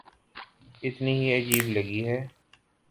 اتنی ہی عجیب لگے گی۔